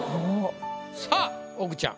さあおぐちゃん